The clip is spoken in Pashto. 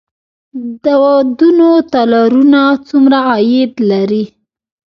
د ودونو تالارونه څومره عاید لري؟